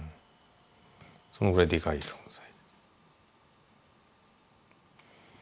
そのぐらいデカい存在。